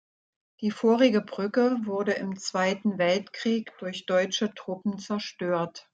Die vorige Brücke wurde im Zweiten Weltkrieg durch deutsche Truppen zerstört.